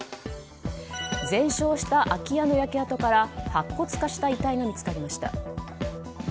全焼した空き家の焼け跡から白骨化した遺体が見つかりました。